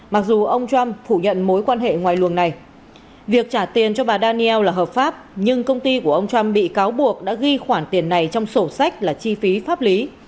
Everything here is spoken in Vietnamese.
mặc dù ông trump phủ nhận mối quan hệ ngoài luồng này việc trả tiền cho bà daniel là hợp pháp nhưng công ty của ông trump bị cáo buộc đã ghi khoản tiền này trong sổ sách là chi phí pháp lý